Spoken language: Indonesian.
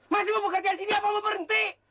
masih mau bekerja di sini apa mau berhenti